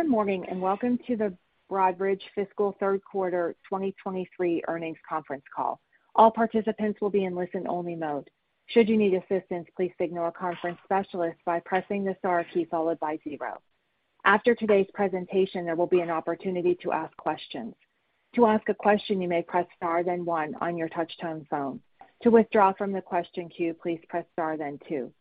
Good morning, and welcome to the Broadridge fiscal third quarter 2023 earnings conference call. All participants will be in listen-only mode. Should you need assistance, please signal a conference specialist by pressing the star key followed by zero. After today's presentation, there will be an opportunity to ask questions. To ask a question, you may press Star then 1 on your touch-tone phone. To withdraw from the question queue, please press Star then two.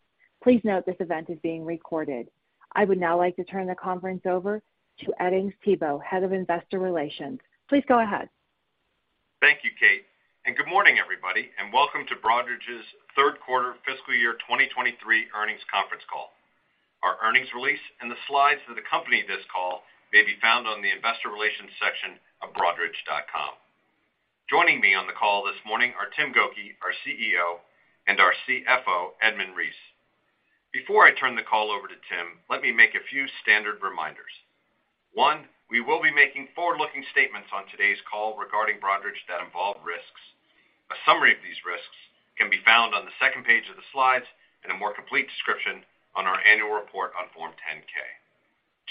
Please note this event is being recorded. I would now like to turn the conference over to Edings Thibault, Head of Investor Relations. Please go ahead. Thank you, Kate, good morning, everybody, and welcome to Broadridge's third quarter fiscal year 2023 earnings conference call. Our earnings release and the slides that accompany this call may be found on the investor relations section of broadridge.com. Joining me on the call this morning are Tim Gokey, our CEO, and our CFO, Edmund Reese. Before I turn the call over to Tim, let me make a few standard reminders. One, we will be making forward-looking statements on today's call regarding Broadridge that involve risks. A summary of these risks can be found on the second page of the slides and a more complete description on our annual report on Form 10-K.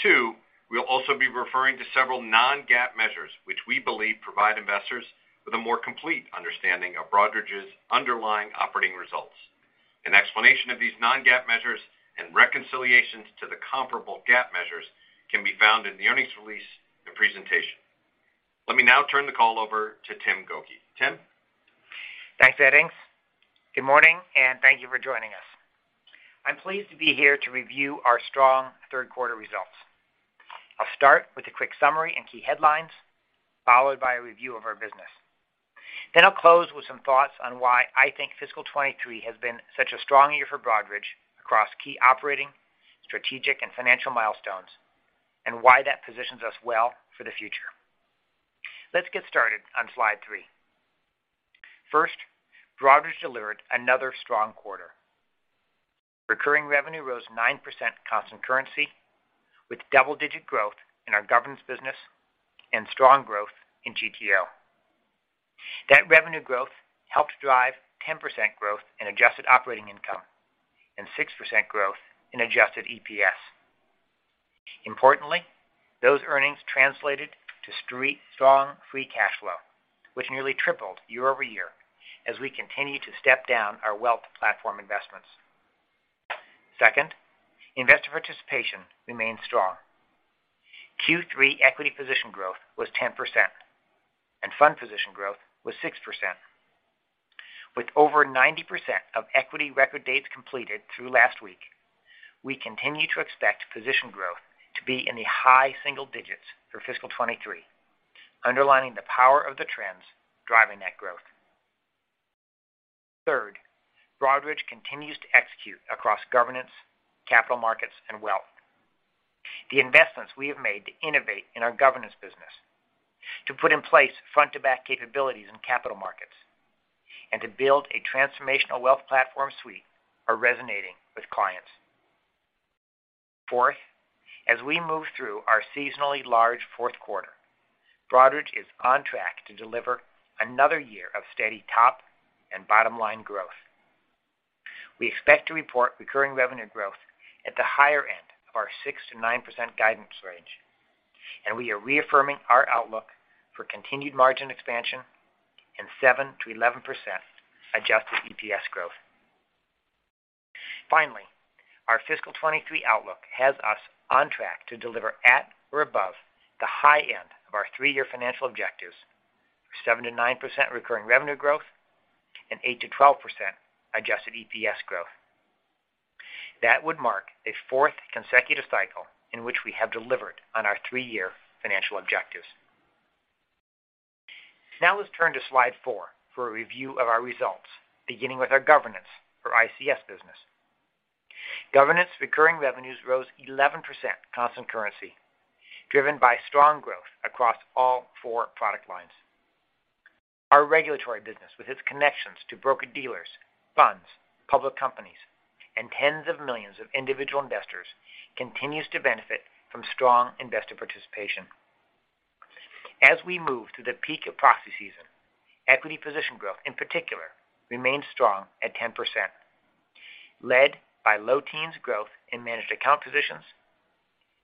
Two, we'll also be referring to several non-GAAP measures, which we believe provide investors with a more complete understanding of Broadridge's underlying operating results. An explanation of these non-GAAP measures and reconciliations to the comparable GAAP measures can be found in the earnings release and presentation. Let me now turn the call over to Tim Gokey. Tim? Thanks, Edings. Good morning, and thank you for joining us. I'm pleased to be here to review our strong third quarter results. I'll start with a quick summary and key headlines, followed by a review of our business. I'll close with some thoughts on why I think fiscal 2023 has been such a strong year for Broadridge across key operating, strategic, and financial milestones, and why that positions us well for the future. Let's get started on slide 3. First, Broadridge delivered another strong quarter. Recurring revenue rose 9% constant currency, with double-digit growth in our governance business and strong growth in GTO. That revenue growth helped drive 10% growth in adjusted operating income and 6% growth in Adjusted EPS. Importantly, those earnings translated to street strong free cash flow, which nearly tripled year-over-year as we continue to step down our wealth platform investments. Second, investor participation remains strong. Q3 equity position growth was 10%, and fund position growth was 6%. With over 90% of equity record dates completed through last week, we continue to expect position growth to be in the high single digits for fiscal 2023, underlining the power of the trends driving that growth. Third, Broadridge continues to execute across governance, capital markets, and wealth. The investments we have made to innovate in our governance business, to put in place front-to-back capabilities in capital markets, and to build a transformational wealth platform suite are resonating with clients. Fourth, as we move through our seasonally large fourth quarter, Broadridge is on track to deliver another year of steady top and bottom line growth. We expect to report recurring revenue growth at the higher end of our 6%-9% guidance range, and we are reaffirming our outlook for continued margin expansion and 7%-11% Adjusted EPS growth. Finally, our fiscal 2023 outlook has us on track to deliver at or above the high end of our three-year financial objectives, 7%-9% recurring revenue growth and 8-12% Adjusted EPS growth. That would mark a fourth consecutive cycle in which we have delivered on our three-year financial objectives. Now, let's turn to slide four for a review of our results, beginning with our governance or ICS business. Governance recurring revenues rose 11% constant currency, driven by strong growth across all four product lines. Our regulatory business, with its connections to broker-dealers, funds, public companies, and tens of millions of individual investors, continues to benefit from strong investor participation. As we move through the peak of proxy season, equity position growth, in particular, remains strong at 10%, led by low teens growth in managed account positions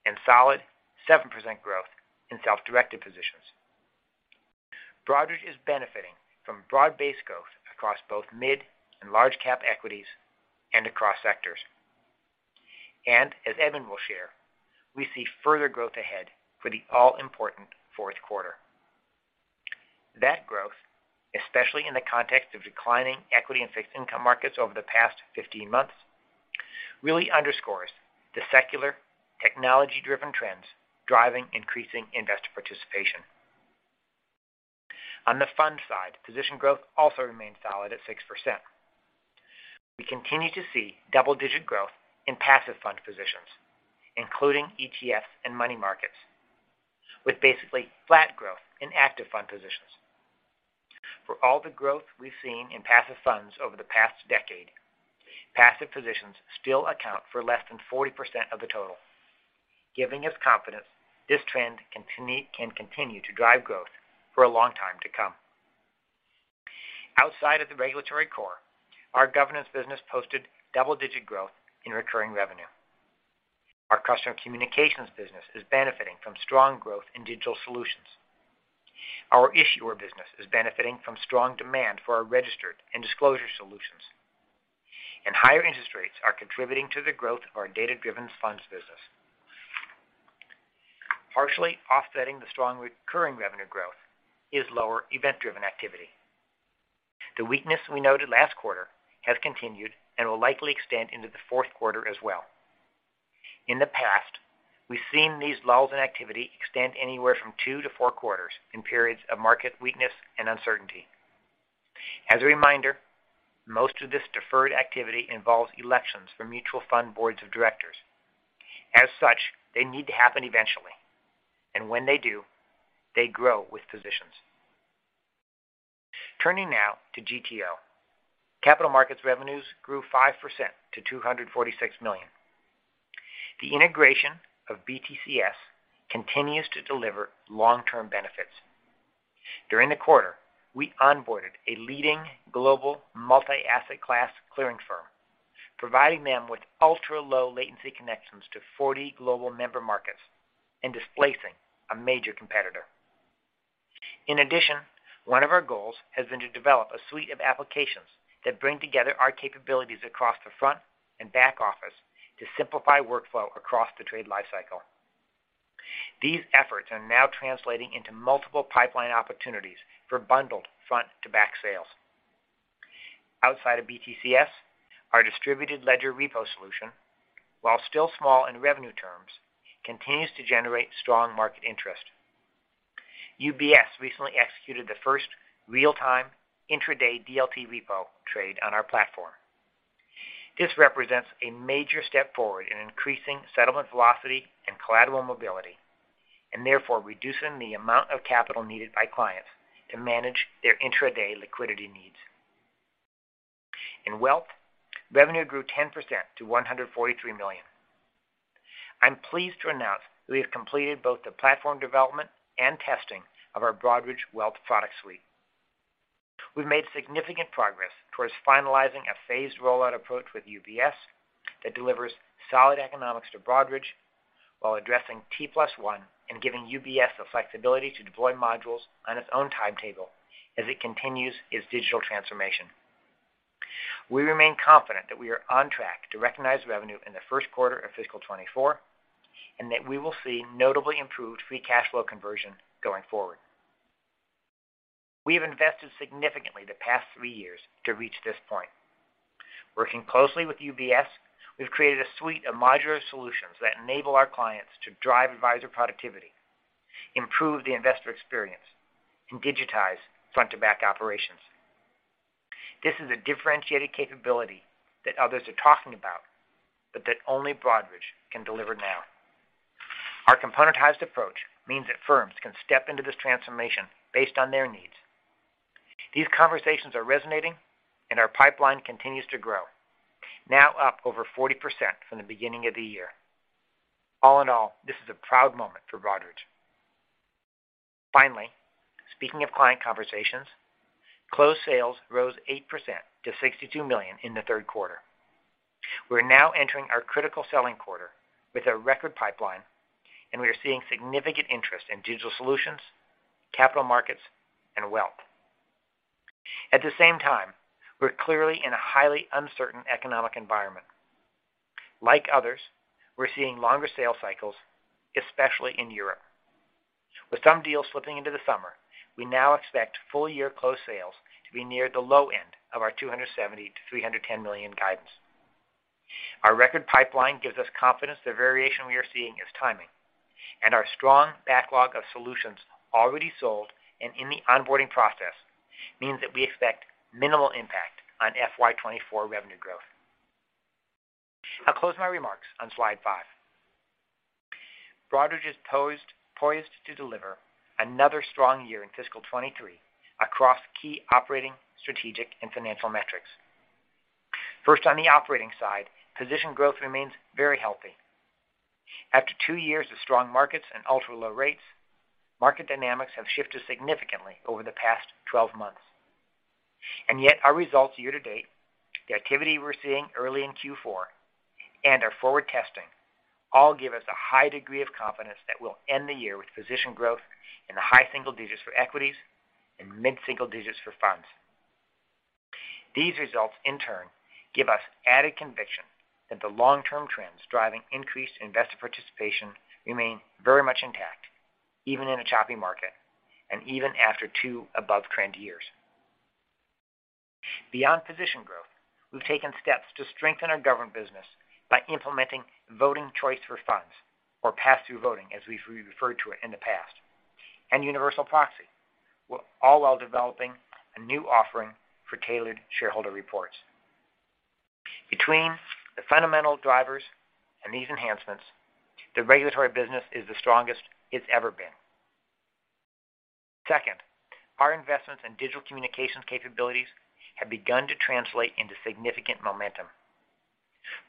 and solid 7% growth in self-directed positions. Broadridge is benefiting from broad-based growth across both mid- and large-cap equities and across sectors. As Edmund will share, we see further growth ahead for the all-important fourth quarter. That growth, especially in the context of declining equity and fixed income markets over the past 15 months, really underscores the secular technology-driven trends driving increasing investor participation. On the fund side, position growth also remains solid at 6%. We continue to see double-digit growth in passive fund positions, including ETFs and money markets, with basically flat growth in active fund positions. For all the growth we've seen in passive funds over the past decade, passive positions still account for less than 40% of the total, giving us confidence this trend can continue to drive growth for a long time to come. Outside of the regulatory core, our governance business posted double-digit growth in recurring revenue. Our customer communications business is benefiting from strong growth in digital solutions. Our issuer business is benefiting from strong demand for our registered and disclosure solutions. Higher interest rates are contributing to the growth of our data-driven funds business. Partially offsetting the strong recurring revenue growth is lower event-driven activity. The weakness we noted last quarter has continued and will likely extend into the fourth quarter as well. In the past, we've seen these lulls in activity extend anywhere from two to four quarters in periods of market weakness and uncertainty. As a reminder, most of this deferred activity involves elections for mutual fund boards of directors. They need to happen eventually, and when they do, they grow with positions. Turning now to GTO. Capital markets revenues grew 5% to $246 million. The integration of BTCS continues to deliver long-term benefits. During the quarter, we onboarded a leading global multi-asset class clearing firm, providing them with ultra-low latency connections to 40 global member markets and displacing a major competitor. One of our goals has been to develop a suite of applications that bring together our capabilities across the front and back office to simplify workflow across the trade life cycle. These efforts are now translating into multiple pipeline opportunities for bundled front-to-back sales. Outside of BTCS, our Distributed Ledger Repo solution, while still small in revenue terms, continues to generate strong market interest. UBS recently executed the first real-time intra-day DLT repo trade on our platform. This represents a major step forward in increasing settlement velocity and collateral mobility, therefore reducing the amount of capital needed by clients to manage their intra-day liquidity needs. In Wealth, revenue grew 10% to $143 million. I'm pleased to announce that we have completed both the platform development and testing of our Broadridge Wealth product suite. We've made significant progress towards finalizing a phased rollout approach with UBS that delivers solid economics to Broadridge while addressing T+1 and giving UBS the flexibility to deploy modules on its own timetable as it continues its digital transformation. We remain confident that we are on track to recognize revenue in the first quarter of fiscal 2024, that we will see notably improved free cash flow conversion going forward. We have invested significantly the past three years to reach this point. Working closely with UBS, we've created a suite of modular solutions that enable our clients to drive advisor productivity, improve the investor experience, and digitize front-to-back operations. This is a differentiated capability that others are talking about, that only Broadridge can deliver now. Our componentized approach means that firms can step into this transformation based on their needs. These conversations are resonating, Our pipeline continues to grow, now up over 40% from the beginning of the year. All in all, this is a proud moment for Broadridge. Finally, speaking of client conversations, closed sales rose 8% to $62 million in the third quarter. We're now entering our critical selling quarter with a record pipeline, and we are seeing significant interest in digital solutions, capital markets, and wealth. At the same time, we're clearly in a highly uncertain economic environment. Like others, we're seeing longer sales cycles, especially in Europe. With some deals slipping into the summer, we now expect full-year closed sales to be near the low end of our $270 million-310 million guidance. Our record pipeline gives us confidence the variation we are seeing is timing, and our strong backlog of solutions already sold and in the onboarding process means that we expect minimal impact on FY 2024 revenue growth. I'll close my remarks on slide 5. Broadridge is poised to deliver another strong year in fiscal 2023 across key operating, strategic, and financial metrics. First, on the operating side, position growth remains very healthy. After two years of strong markets and ultra-low rates, market dynamics have shifted significantly over the past 12 months. Yet, our results year to date, the activity we're seeing early in Q4, and our forward testing all give us a high degree of confidence that we'll end the year with position growth in the high single digits for equities and mid-single digits for funds. These results, in turn, give us added conviction that the long-term trends driving increased investor participation remain very much intact, even in a choppy market, and even after 2 above-trend years. Beyond position growth, we've taken steps to strengthen our government business by implementing voting choice for funds, or pass-through voting, as we've referred to it in the past, and universal proxy, all while developing a new offering for tailored shareholder reports. Between the fundamental drivers and these enhancements, the regulatory business is the strongest it's ever been. Second, our investments in digital communications capabilities have begun to translate into significant momentum.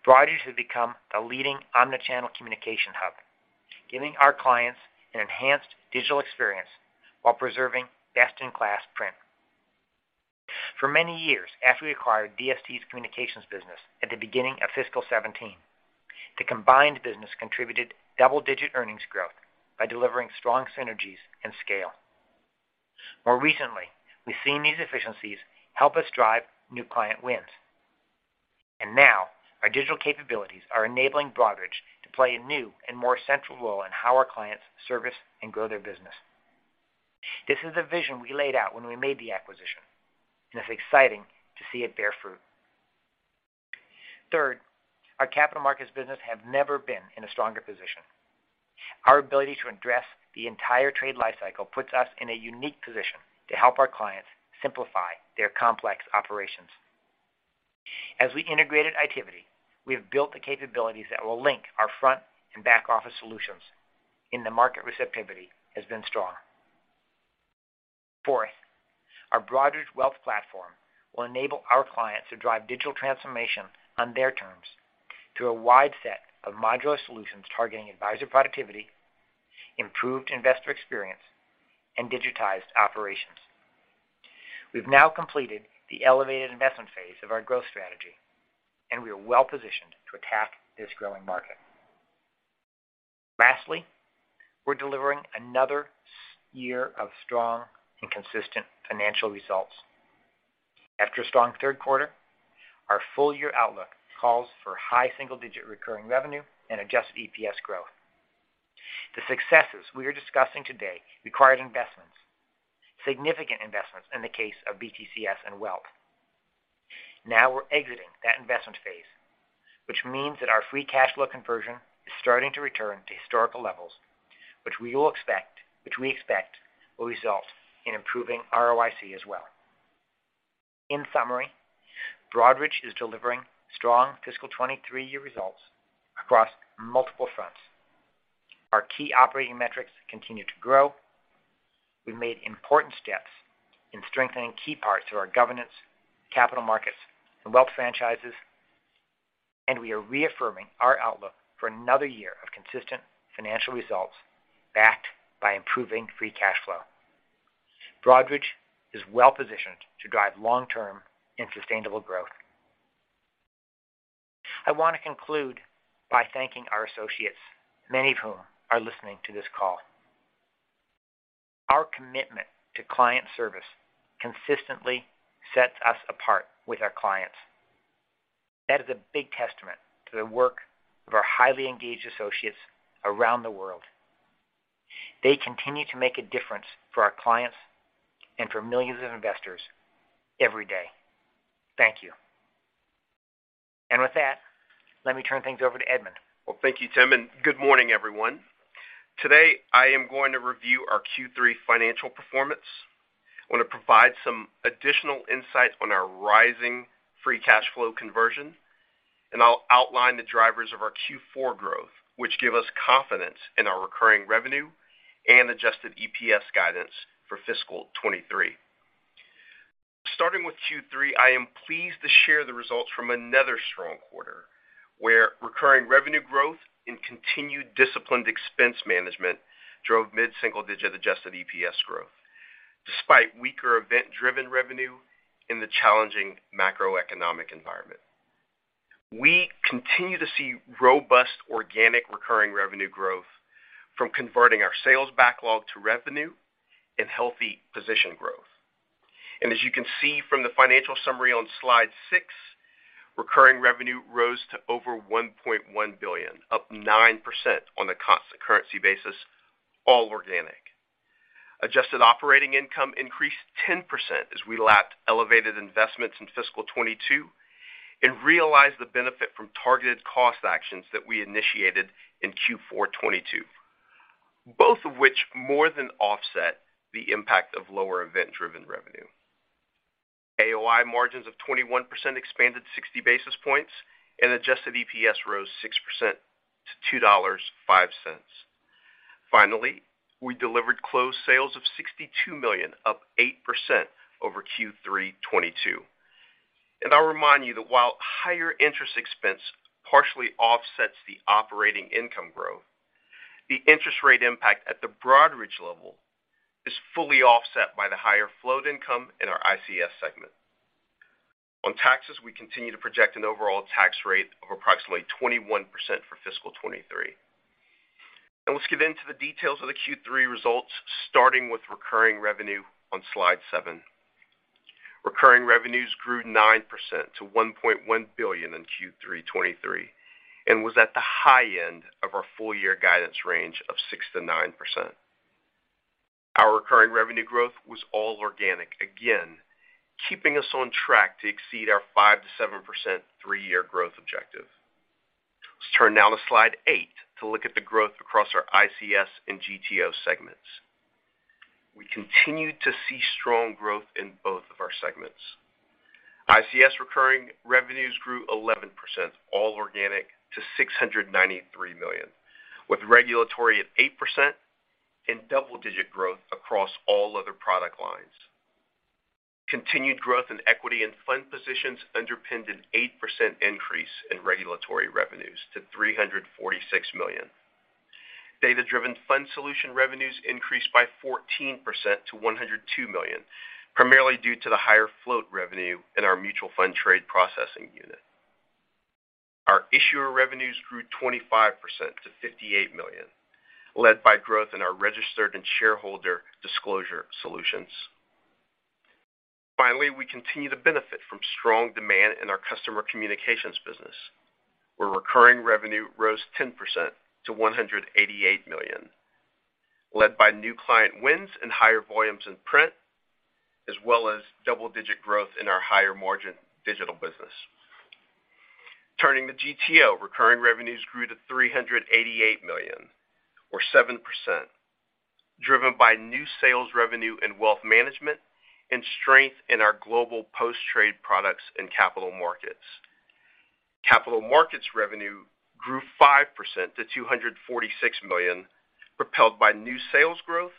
Broadridge has become the leading omni-channel communication hub, giving our clients an enhanced digital experience while preserving best-in-class print. For many years after we acquired DST's communications business at the beginning of fiscal 2017, the combined business contributed double-digit earnings growth by delivering strong synergies and scale. More recently, we've seen these efficiencies help us drive new client wins. Now our digital capabilities are enabling Broadridge to play a new and more central role in how our clients service and grow their business. This is a vision we laid out when we made the acquisition, and it's exciting to see it bear fruit. Third, our capital markets business have never been in a stronger position. Our ability to address the entire trade life cycle puts us in a unique position to help our clients simplify their complex operations. As we integrated Itiviti, we have built the capabilities that will link our front and back-office solutions, and the market receptivity has been strong. Fourth, our Broadridge Wealth platform will enable our clients to drive digital transformation on their terms through a wide set of modular solutions targeting advisor productivity, improved investor experience, and digitized operations. We've now completed the elevated investment phase of our growth strategy, and we are well-positioned to attack this growing market. Lastly, we're delivering another year of strong and consistent financial results. After a strong third quarter, our full-year outlook calls for high single-digit recurring revenue and Adjusted EPS growth. The successes we are discussing today required investments, significant investments in the case of BTCS and Wealth. We're exiting that investment phase, which means that our free cash flow conversion is starting to return to historical levels, which we expect will result in improving ROIC as well. In summary, Broadridge is delivering strong fiscal 2023 year results across multiple fronts. Our key operating metrics continue to grow. We've made important steps in strengthening key parts of our governance, capital markets, and Wealth franchises. We are reaffirming our outlook for another year of consistent financial results, backed by improving free cash flow. Broadridge is well-positioned to drive long-term and sustainable growth. I want to conclude by thanking our associates, many of whom are listening to this call. Our commitment to client service consistently sets us apart with our clients. That is a big testament to the work of our highly engaged associates around the world. They continue to make a difference for our clients and for millions of investors every day. Thank you. With that, let me turn things over to Edmund. Well, thank you, Tim, and good morning, everyone. Today, I am going to review our Q3 financial performance. I want to provide some additional insights on our rising free cash flow conversion, and I'll outline the drivers of our Q4 growth, which give us confidence in our recurring revenue and Adjusted EPS guidance for fiscal 2023. Starting with Q3, I am pleased to share the results from another strong quarter, where recurring revenue growth and continued disciplined expense management drove mid-single-digit Adjusted EPS growth, despite weaker event-driven revenue in the challenging macroeconomic environment. We continue to see robust organic recurring revenue growth from converting our sales backlog to revenue and healthy position growth. As you can see from the financial summary on slide six, recurring revenue rose to over $1.1 billion, up 9% on a constant currency basis, all organic. Adjusted operating income increased 10% as we lapped elevated investments in FY 2022 and realized the benefit from targeted cost actions that we initiated in Q4 2022, both of which more than offset the impact of lower event-driven revenue. AOI margins of 21% expanded 60 basis points. Adjusted EPS rose 6% to $2.05. Finally, we delivered closed sales of $62 million, up 8% over Q3 2022. I'll remind you that while higher interest expense partially offsets the operating income growth, the interest rate impact at the Broadridge level is fully offset by the higher float income in our ICS segment. On taxes, we continue to project an overall tax rate of approximately 21% for FY 2023. Now let's get into the details of the Q3 results, starting with recurring revenue on slide 7. Recurring revenues grew 9% to $1.1 billion in Q3 2023 and was at the high end of our full year guidance range of 6%-9%. Our recurring revenue growth was all organic, again, keeping us on track to exceed our 5%-7% 3-year growth objective. Let's turn now to slide 8 to look at the growth across our ICS and GTO segments. We continue to see strong growth in both of our segments. ICS recurring revenues grew 11%, all organic, to $693 million, with regulatory at 8% and double-digit growth across all other product lines. Continued growth in equity and fund positions underpinned an 8% increase in regulatory revenues to $346 million. Data-driven fund solution revenues increased by 14% to $102 million, primarily due to the higher float revenue in our mutual fund trade processing unit. Our issuer revenues grew 25% to $58 million, led by growth in our registered and shareholder disclosure solutions. We continue to benefit from strong demand in our customer communications business, where recurring revenue rose 10% to $188 million, led by new client wins and higher volumes in print, as well as double-digit growth in our higher-margin digital business. Turning to GTO, recurring revenues grew to $388 million, or 7%, driven by new sales revenue and wealth management and strength in our global post-trade products and capital markets. Capital markets revenue grew 5% to $246 million, propelled by new sales growth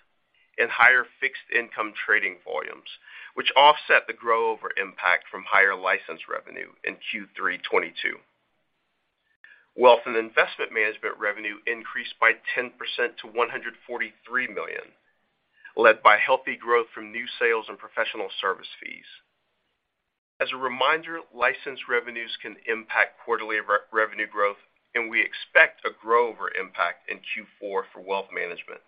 and higher fixed income trading volumes, which offset the grow over impact from higher license revenue in Q3 '22. Wealth and investment management revenue increased by 10% to $143 million, led by healthy growth from new sales and professional service fees. As a reminder, license revenues can impact quarterly re-revenue growth, and we expect a grow over impact in Q4 for wealth management.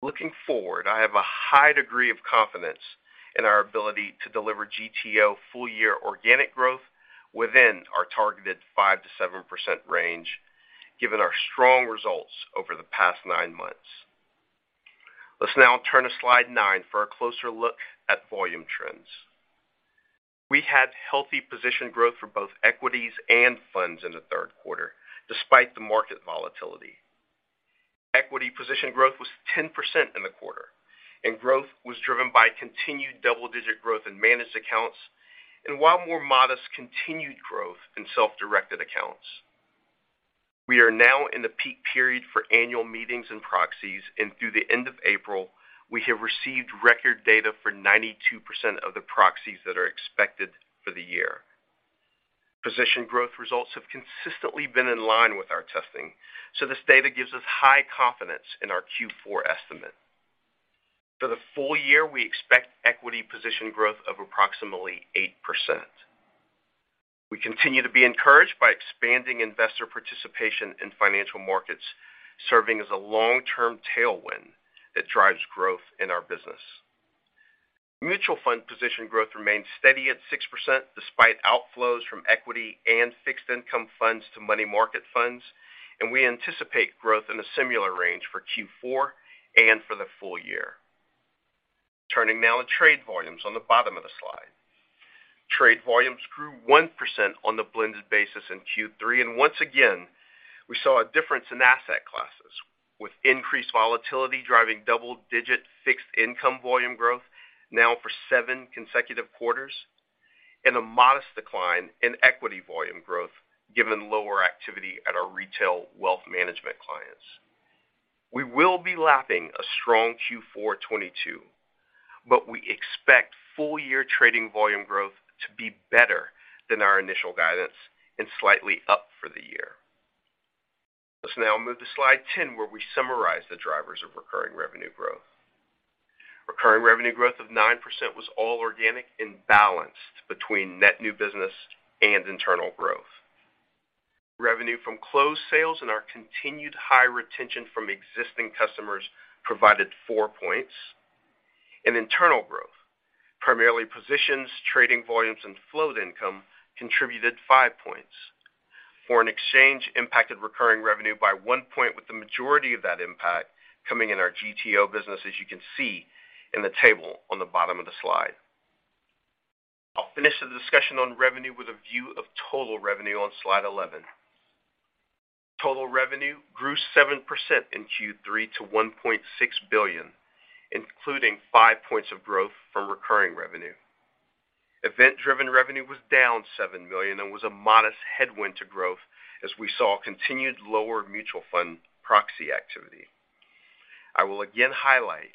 Looking forward, I have a high degree of confidence in our ability to deliver GTO full-year organic growth within our targeted 5%-7% range given our strong results over the past nine months. Let's now turn to slide nine for a closer look at volume trends. We had healthy position growth for both equities and funds in the third quarter, despite the market volatility. Equity position growth was 10% in the quarter. Growth was driven by continued double-digit growth in managed accounts and, while more modest, continued growth in self-directed accounts. We are now in the peak period for annual meetings and proxies. Through the end of April, we have received record data for 92% of the proxies that are expected for the year. Position growth results have consistently been in line with our testing. This data gives us high confidence in our Q4 estimate. For the full year, we expect equity position growth of approximately 8%. We continue to be encouraged by expanding investor participation in financial markets, serving as a long-term tailwind that drives growth in our business. Mutual fund position growth remains steady at 6% despite outflows from equity and fixed income funds to money market funds. We anticipate growth in a similar range for Q4 and for the full year. Turning now to trade volumes on the bottom of the slide. Trade volumes grew 1% on the blended basis in Q3. Once again, we saw a difference in asset classes, with increased volatility driving double-digit fixed income volume growth now for seven consecutive quarters and a modest decline in equity volume growth given lower activity at our retail wealth management clients. We will be lapping a strong Q4 2022. We expect full-year trading volume growth to be better than our initial guidance and slightly up for the year. Let's now move to slide 10, where we summarize the drivers of recurring revenue growth. Recurring revenue growth of 9% was all organic and balanced between net new business and internal growth. Revenue from closed sales and our continued high retention from existing customers provided 4 points, and internal growth, primarily positions, trading volumes, and float income contributed 5 points. Foreign exchange impacted recurring revenue by one point, with the majority of that impact coming in our GTO business, as you can see in the table on the bottom of the slide. I'll finish the discussion on revenue with a view of total revenue on slide 11. Total revenue grew 7% in Q3 to $1.6 billion, including 5 points of growth from recurring revenue. Event-driven revenue was down $7 million and was a modest headwind to growth as we saw continued lower mutual fund proxy activity. I will again highlight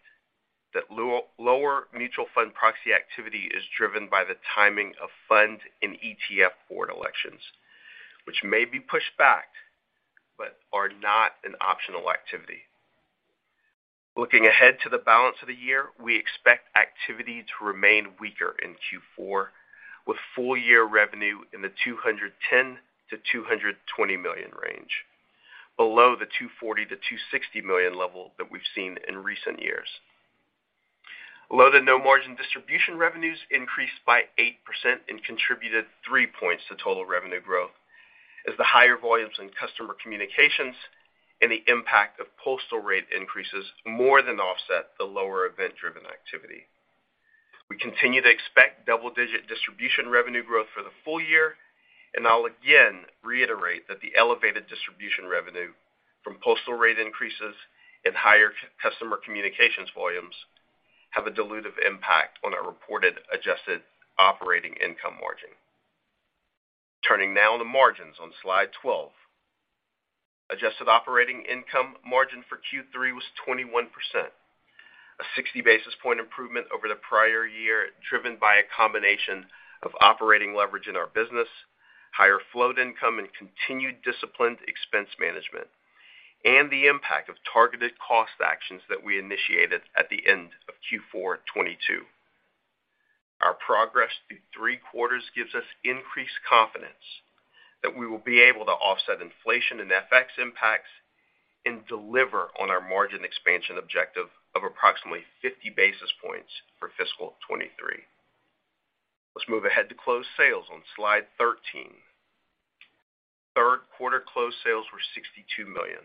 that lower mutual fund proxy activity is driven by the timing of fund and ETF board elections, which may be pushed back but are not an optional activity. Looking ahead to the balance of the year, we expect activity to remain weaker in Q4, with full-year revenue in the $210 million-220 million range, below the $240 million-260 million level that we've seen in recent years. Low to no margin distribution revenues increased by 8% and contributed 3 points to total revenue growth as the higher volumes in customer communications and the impact of postal rate increases more than offset the lower event-driven activity. We continue to expect double-digit distribution revenue growth for the full year. I'll again reiterate that the elevated distribution revenue from postal rate increases and higher customer communications volumes have a dilutive impact on our reported adjusted operating income margin. Turning now on the margins on Slide 12. Adjusted operating income margin for Q3 was 21%. A 60 basis point improvement over the prior year, driven by a combination of operating leverage in our business, higher float income, and continued disciplined expense management, and the impact of targeted cost actions that we initiated at the end of Q4 2022. Our progress through three quarters gives us increased confidence that we will be able to offset inflation and FX impacts and deliver on our margin expansion objective of approximately 50 basis points for fiscal 2023. Let's move ahead to closed sales on Slide 13. Third quarter closed sales were $62 million,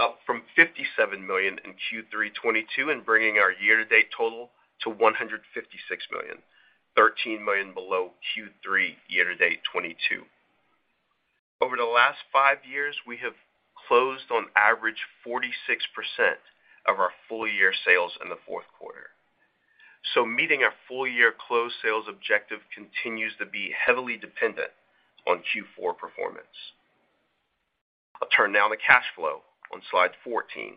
up from $57 million in Q3 '22 and bringing our year-to-date total to $156 million, $13 million below Q3 year-to-date '22. Over the last 5 years, we have closed on average 46% of our full year sales in the fourth quarter. Meeting our full year closed sales objective continues to be heavily dependent on Q4 performance. I'll turn now to cash flow on slide 14.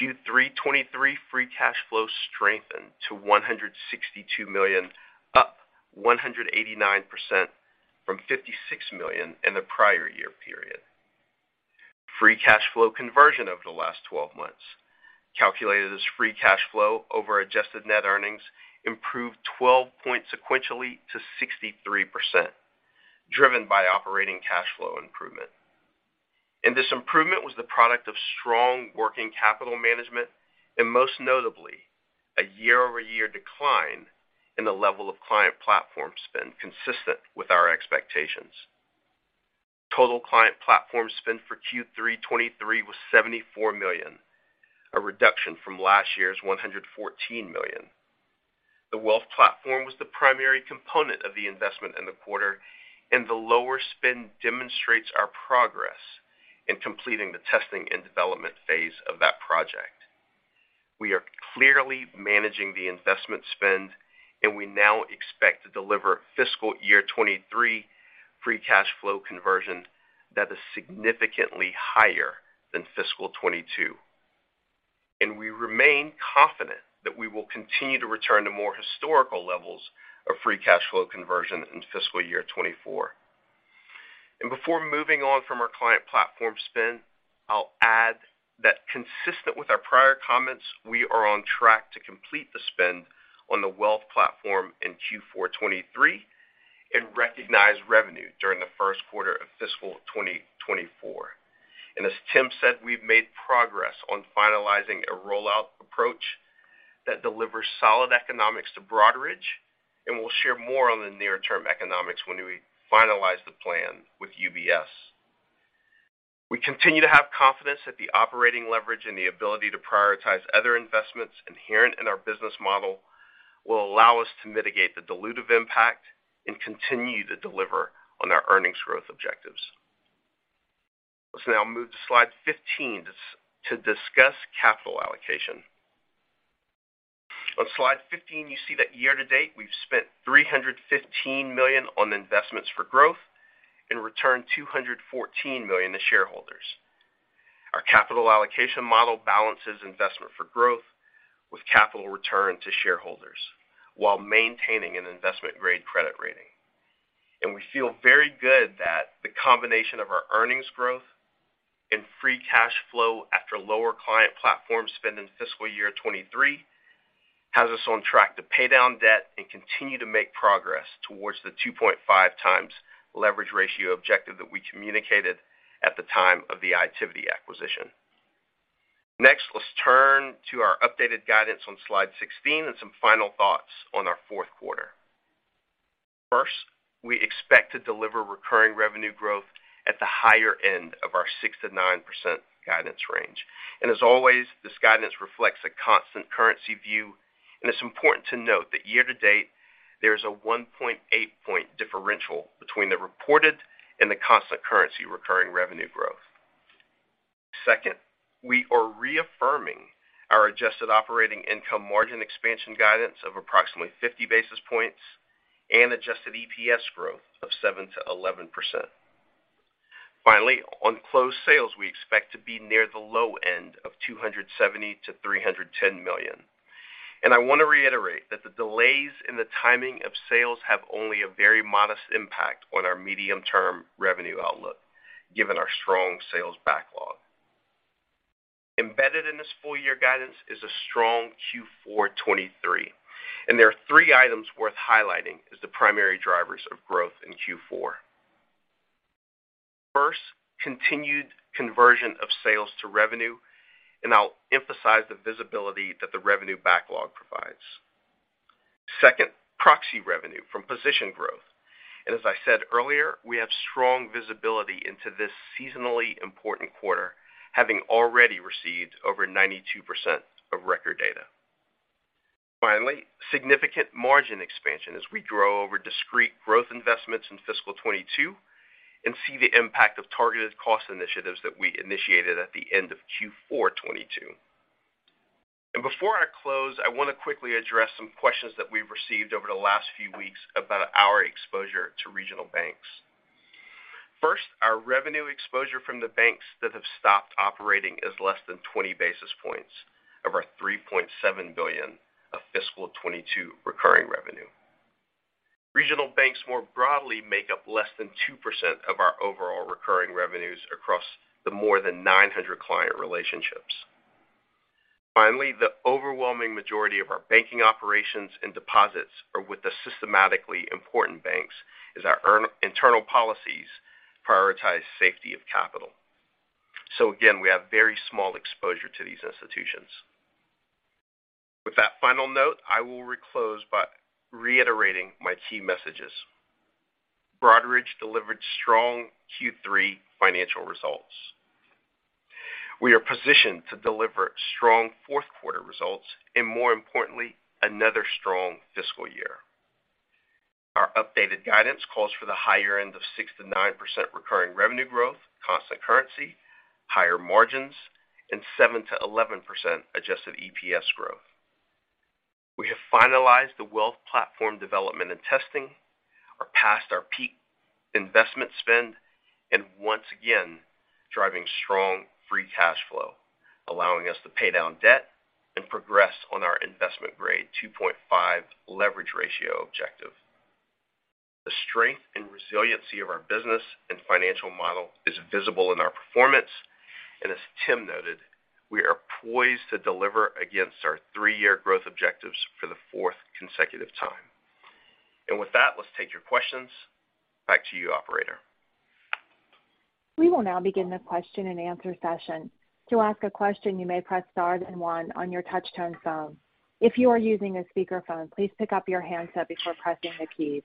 Q3 '23 free cash flow strengthened to $162 million, up 189% from $56 million in the prior year period. Free cash flow conversion over the last 12 months, calculated as free cash flow over adjusted net earnings, improved 12 points sequentially to 63%, driven by operating cash flow improvement. This improvement was the product of strong working capital management and, most notably, a year-over-year decline in the level of client platform spend consistent with our expectations. Total client platform spend for Q3 2023 was $74 million, a reduction from last year's $114 million. The wealth platform was the primary component of the investment in the quarter, and the lower spend demonstrates our progress in completing the testing and development phase of that project. We are clearly managing the investment spend, and we now expect to deliver FY 2023 free cash flow conversion that is significantly higher than FY 2022. We remain confident that we will continue to return to more historical levels of free cash flow conversion in FY 2024. Before moving on from our client platform spend, I'll add that consistent with our prior comments, we are on track to complete the spend on the wealth platform in Q4 '23 and recognize revenue during the first quarter of fiscal 2024. As Tim said, we've made progress on finalizing a rollout approach that delivers solid economics to Broadridge, and we'll share more on the near-term economics when we finalize the plan with UBS. We continue to have confidence that the operating leverage and the ability to prioritize other investments inherent in our business model will allow us to mitigate the dilutive impact and continue to deliver on our earnings growth objectives. Let's now move to slide 15 to discuss capital allocation. On slide 15, you see that year-to-date we've spent $315 million on investments for growth and returned $214 million to shareholders. Our capital allocation model balances investment for growth with capital return to shareholders while maintaining an investment-grade credit rating. We feel very good that the combination of our earnings growth and free cash flow after lower client platform spend in FY 2023 has us on track to pay down debt and continue to make progress towards the 2.5x leverage ratio objective that we communicated at the time of the Itiviti acquisition. Next, let's turn to our updated guidance on slide 16 and some final thoughts on our fourth quarter. First, we expect to deliver recurring revenue growth at the higher end of our 6%-9% guidance range. As always, this guidance reflects a constant currency view. It's important to note that year-to-date, there is a 1.8 point differential between the reported and the constant currency recurring revenue growth. Second, we are reaffirming our adjusted operating income margin expansion guidance of approximately 50 basis points and Adjusted EPS growth of 7%-11%. Finally, on closed sales, we expect to be near the low end of $270 million-310 million. I want to reiterate that the delays in the timing of sales have only a very modest impact on our medium-term revenue outlook, given our strong sales backlog. Embedded in this full year guidance is a strong Q4 2023, and there are three items worth highlighting as the primary drivers of growth in Q4. First, continued conversion of sales to revenue, and I'll emphasize the visibility that the revenue backlog provides. Second, proxy revenue from position growth. As I said earlier, we have strong visibility into this seasonally important quarter, having already received over 92% of record data. Finally, significant margin expansion as we grow over discrete growth investments in FY 2022 and see the impact of targeted cost initiatives that we initiated at the end of Q4 2022. Before I close, I want to quickly address some questions that we've received over the last few weeks about our exposure to regional banks. First, our revenue exposure from the banks that have stopped operating is less than 20 basis points of our $3.7 billion of FY 2022 recurring revenue. Regional banks more broadly make up less than 2% of our overall recurring revenues across the more than 900 client relationships. Finally, the overwhelming majority of our banking operations and deposits are with the systematically important banks, as our internal policies prioritize safety of capital. Again, we have very small exposure to these institutions. With that final note, I will reclose by reiterating my key messages. Broadridge delivered strong Q3 financial results. We are positioned to deliver strong 4th quarter results and more importantly, another strong fiscal year. Our updated guidance calls for the higher end of 6%-9% recurring revenue growth, constant currency, higher margins, and 7-11% Adjusted EPS growth. We have finalized the wealth platform development and testing, are past our peak investment spend, and once again, driving strong free cash flow, allowing us to pay down debt and progress on our investment-grade 2.5 leverage ratio objective. The strength and resiliency of our business and financial model is visible in our performance. As Tim noted, we are poised to deliver against our THREE-year growth objectives for the 4th consecutive time. With that, let's take your questions. Back to you, operator. We will now begin the question and answer session. To ask a question, you may press Star then one on your touch-tone phone. If you are using a speakerphone, please pick up your handset before pressing the keys.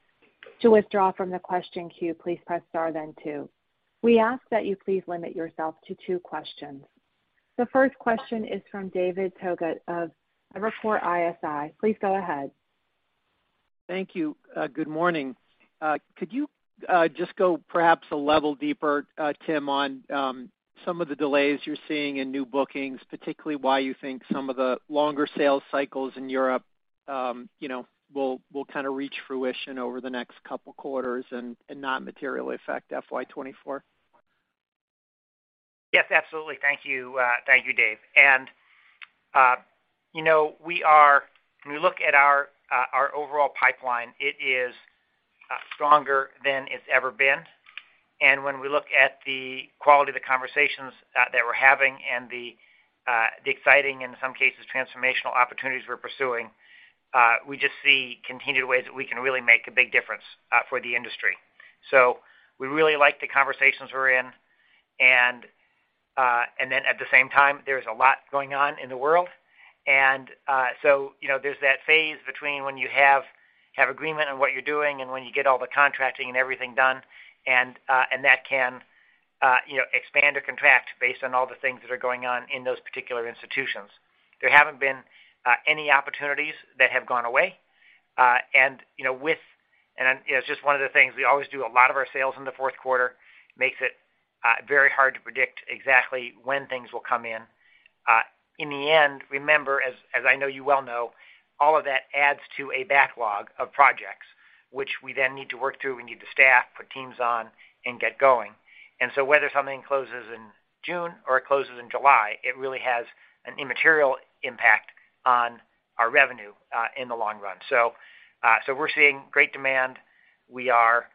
To withdraw from the question queue, please press Star then two. We ask that you please limit yourself to two questions. The first question is from David Togut of Evercore ISI. Please go ahead. Thank you. Good morning. Could you just go perhaps a level deeper, Tim, on some of the delays you're seeing in new bookings, particularly why you think some of the longer sales cycles in Europe, you know, will kind of reach fruition over the next couple quarters and not materially affect FY 2024? Yes, absolutely. Thank you, thank you, Dave. You know, when we look at our overall pipeline, it is stronger than it's ever been. When we look at the quality of the conversations that we're having and the exciting, in some cases, transformational opportunities we're pursuing, we just see continued ways that we can really make a big difference for the industry. We really like the conversations we're in. At the same time, there's a lot going on in the world. You know, there's that phase between when you have agreement on what you're doing and when you get all the contracting and everything done. That can, you know, expand or contract based on all the things that are going on in those particular institutions. There haven't been any opportunities that have gone away. You know, it's just one of the things, we always do a lot of our sales in the fourth quarter, makes it very hard to predict exactly when things will come in. In the end, remember, as I know you well know, all of that adds to a backlog of projects, which we then need to work through. We need to staff, put teams on and get going. Whether something closes in June or it closes in July, it really has an immaterial impact on our revenue in the long run. So we're seeing great demand. We are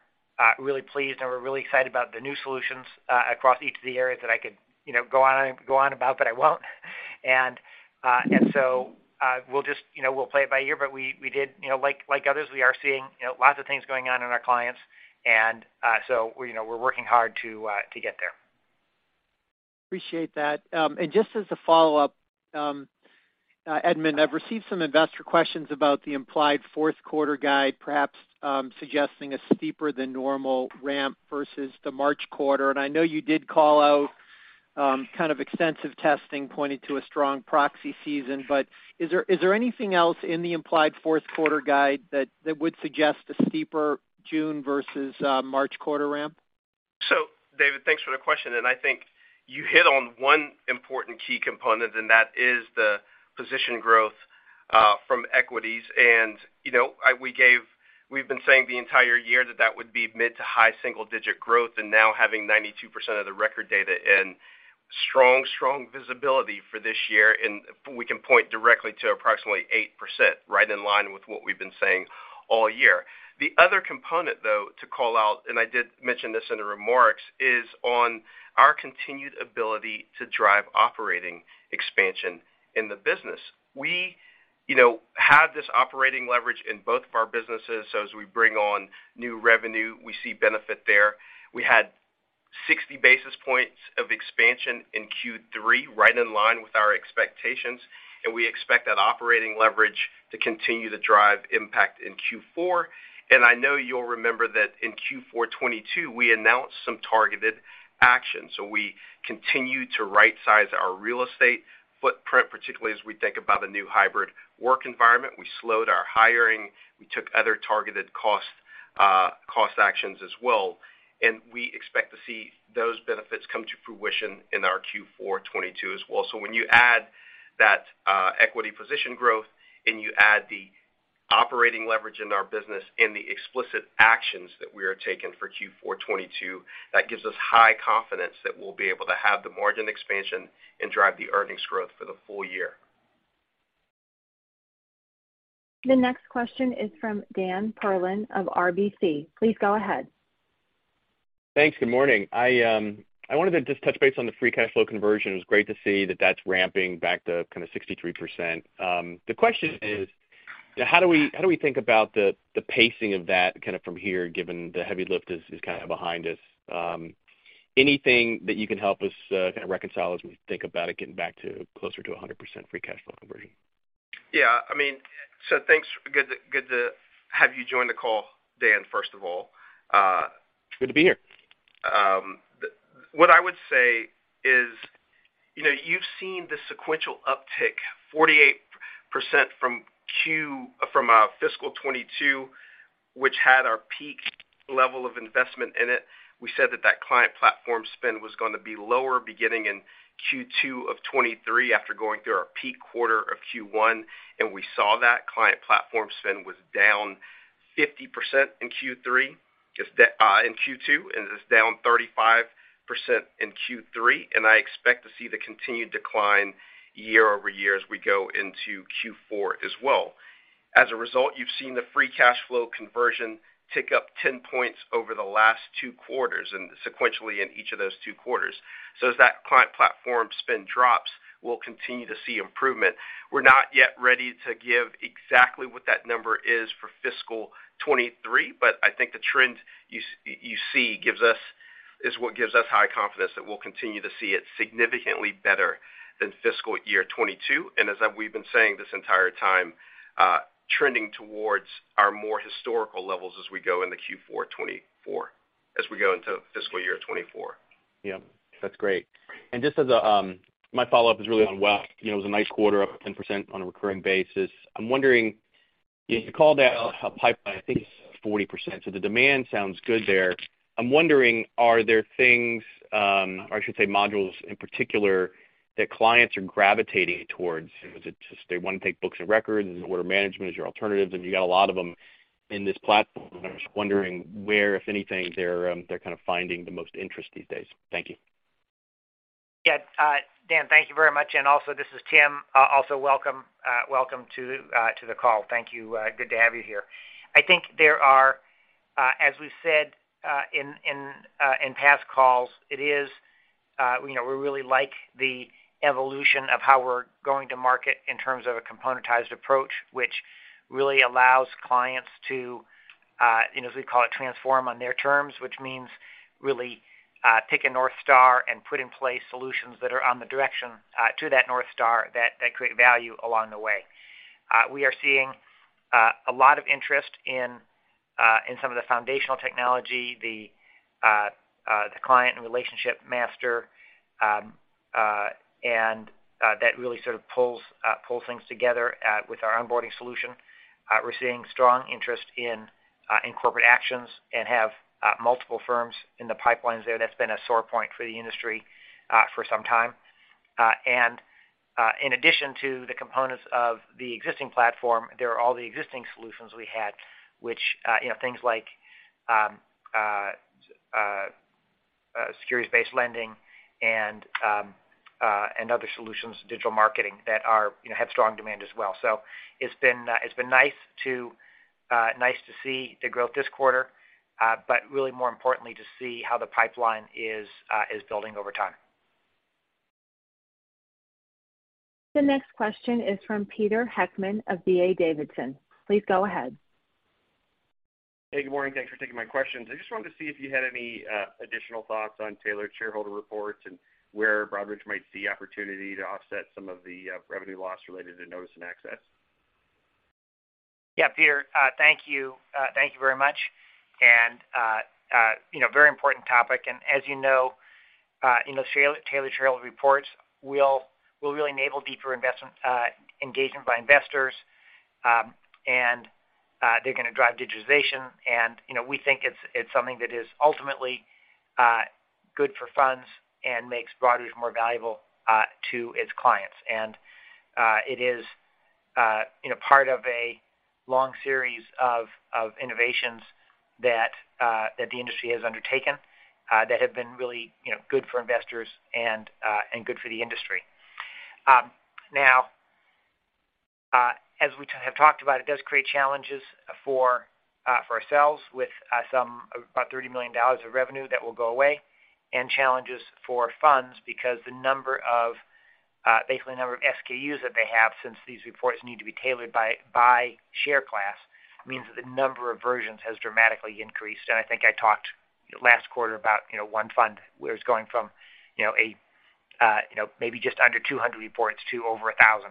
really pleased, and we're really excited about the new solutions across each of the areas that I could, you know, go on about, but I won't. So, we'll just, you know, we'll play it by ear. We did, you know, like others, we are seeing, you know, lots of things going on in our clients. So, you know, we're working hard to get there. Appreciate that. Just as a follow-up, Edmund, I've received some investor questions about the implied fourth quarter guide, perhaps, suggesting a steeper than normal ramp versus the March quarter. I know you did call out, kind of extensive testing pointed to a strong proxy season. Is there anything else in the implied fourth quarter guide that would suggest a steeper June versus March quarter ramp? David, thanks for the question, and I think you hit on one important key component, and that is the position growth from equities. You know, we've been saying the entire year that that would be mid-to-high single-digit growth, and now having 92% of the record data and strong visibility for this year, and we can point directly to approximately 8%, right in line with what we've been saying all year. The other component, though, to call out, and I did mention this in the remarks, is on our continued ability to drive operating expansion in the business. We, you know, have this operating leverage in both of our businesses. As we bring on new revenue, we see benefit there. We had 60 basis points of expansion in Q3, right in line with our expectations. We expect that operating leverage to continue to drive impact in Q4. I know you'll remember that in Q4 2022, we announced some targeted action. We continued to right size our real estate footprint, particularly as we think about a new hybrid work environment. We slowed our hiring. We took other targeted cost actions as well. We expect to see those benefits come to fruition in our Q4 2022 as well. When you add that equity position growth and you add the operating leverage in our business and the explicit actions that we are taking for Q4 2022, that gives us high confidence that we'll be able to have the margin expansion and drive the earnings growth for the full year. The next question is from Dan Perlin of RBC. Please go ahead. Thanks. Good morning. I wanted to just touch base on the free cash flow conversion. It's great to see that that's ramping back to kinda 63%. The question is, how do we think about the pacing of that kinda from here, given the heavy lift is kind of behind us? Anything that you can help us, kinda reconcile as we think about it getting back to closer to 100% free cash flow conversion? Yeah, I mean. Thanks. Good to have you join the call, Dan, first of all. Good to be here. What I would say is, you know, you've seen the sequential uptick 48% from Q from fiscal 2022, which had our peak level of investment in it. We said that that client platform spend was gonna be lower beginning in Q2 of 2023 after going through our peak quarter of Q1, and we saw that. Client platform spend was down 50% in Q3, in Q2, and it's down 35% in Q3. I expect to see the continued decline year-over-year as we go into Q4 as well. As a result, you've seen the free cash flow conversion tick up 10 points over the last two quarters and sequentially in each of those two quarters. As that client platform spend drops, we'll continue to see improvement. We're not yet ready to give exactly what that number is for fiscal 2023. I think the trend you see is what gives us high confidence that we'll continue to see it significantly better than fiscal year 2022. As we've been saying this entire time, trending towards our more historical levels as we go into fiscal year 2024. Yeah, that's great. Just as a, my follow-up is really on Wealth. You know, it was a nice quarter, up 10% on a recurring basis. I'm wondering, you called out a pipeline, I think it's 40%. The demand sounds good there. I'm wondering, are there things, or I should say modules in particular, that clients are gravitating towards? Is it just they wanna take books and records? Is it order management? Is it alternatives? I mean, you got a lot of them in this platform. I'm just wondering where, if anything, they're kind of finding the most interest these days. Thank you. Yeah. Dan, thank you very much. This is Tim. Also welcome to the call. Thank you. Good to have you here. I think there are, as we've said, in past calls, it is, you know, we really like the evolution of how we're going to market in terms of a componentized approach, which really allows clients to, you know, as we call it, transform on their terms, which means really, pick a North Star and put in place solutions that are on the direction to that North Star that create value along the way. We are seeing a lot of interest in some of the foundational technology, the client and relationship master, and that really sort of pulls things together with our onboarding solution. We're seeing strong interest in corporate actions and have multiple firms in the pipelines there. That's been a sore point for the industry for some time. In addition to the components of the existing platform, there are all the existing solutions we had, which, you know, things like securities-based lending and other solutions, digital marketing that are, you know, have strong demand as well. It's been nice to see the growth this quarter, but really more importantly, to see how the pipeline is building over time. The next question is from Peter Heckmann of D.A. Davidson. Please go ahead. Hey, good morning. Thanks for taking my questions. I just wanted to see if you had any additional thoughts on tailored shareholder reports and where Broadridge might see opportunity to offset some of the revenue loss related to notice and access. Yeah, Peter, thank you. Thank you very much. You know, very important topic. As you know, you know, tailored shareholder reports will really enable deeper engagement by investors, and they're gonna drive digitization. You know, we think it's something that is ultimately good for funds and makes Broadridge more valuable to its clients. It is, you know, part of a long series of innovations that the industry has undertaken that have been really, you know, good for investors and good for the industry. Now, as we have talked about, it does create challenges for ourselves with some about $30 million of revenue that will go away, and challenges for funds because the number of basically the number of SKUs that they have since these reports need to be tailored by share class means that the number of versions has dramatically increased. I think I talked last quarter about, you know, one fund where it's going from, you know, maybe just under 200 reports to over 1,000.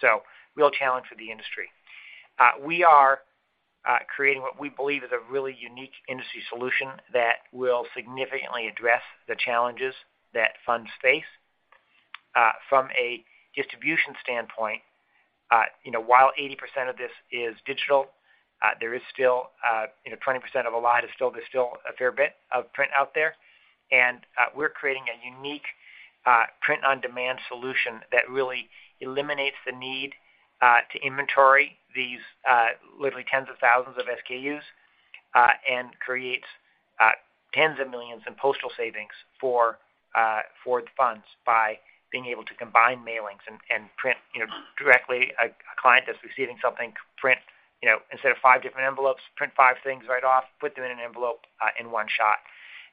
So real challenge for the industry. hat we believe is a really unique industry solution that will significantly address the challenges that funds face. From a distribution standpoint, you know, while 80% of this is digital, there is still, you know, 20% of a lot is still there's still a fair bit of print out there. We're creating a unique print on demand solution that really eliminates the need to inventory these literally tens of thousands of SKUs and creates tens of millions in postal savings for the funds by being able to combine mailings and print, you know, directly. A client that's receiving something print, you know, instead of five different envelopes, print five things right off, put them in an envelope in one shot.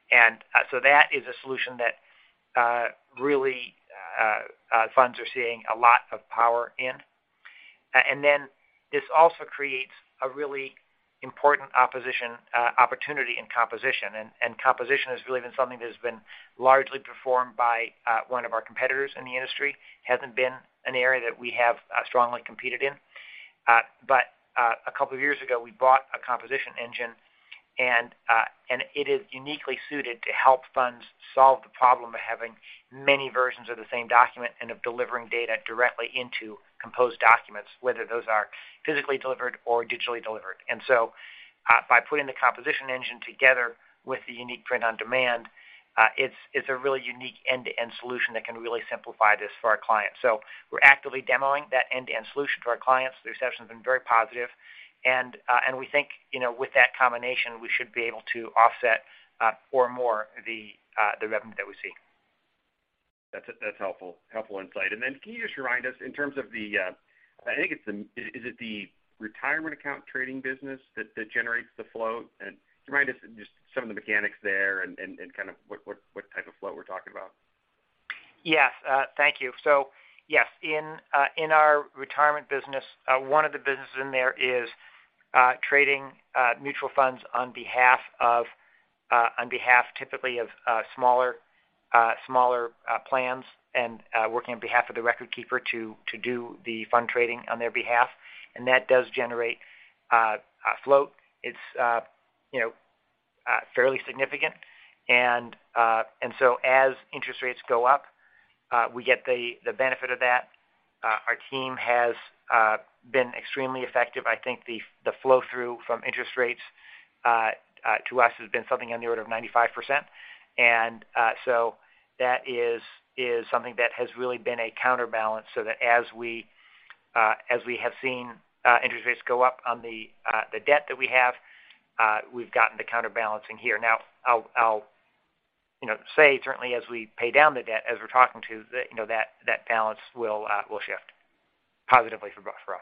That is a solution that really funds are seeing a lot of power in. This also creates a really important opportunity in composition. Composition has really been something that has been largely performed by one of our competitors in the industry. Hasn't been an area that we have strongly competed in. A couple of years ago, we bought a composition engine, and it is uniquely suited to help funds solve the problem of having many versions of the same document and of delivering data directly into composed documents, whether those are physically delivered or digitally delivered. By putting the composition engine together with the unique print on demand, it's a really unique end-to-end solution that can really simplify this for our clients. We're actively demoing that end-to-end solution to our clients. The reception's been very positive. We think, you know, with that combination, we should be able to offset or more the revenue that we see. That's helpful insight. Then can you just remind us in terms of the retirement account trading business that generates the flow? Remind us just some of the mechanics there and kind of what type of flow we're talking about? Yes. Thank you. Yes, in our retirement business, one of the businesses in there is trading mutual funds on behalf of, on behalf typically of smaller plans and working on behalf of the record keeper to do the fund trading on their behalf. That does generate flow. It's, you know, fairly significant. As interest rates go up, we get the benefit of that. Our team has been extremely effective. I think the flow through from interest rates to us has been something on the order of 95%. That is something that has really been a counterbalance, so that as we as we have seen interest rates go up on the debt that we have, we've gotten the counterbalancing here. I'll, you know, say certainly as we pay down the debt, as we're talking to, the, you know, that balance will shift positively for both for us.